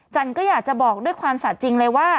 ก็อยากจะบอกด้วยความสะจริงเลยว่า